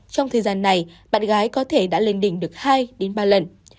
trong thời gian này bạn gái có thể đã lên đỉnh được hai đến ba lần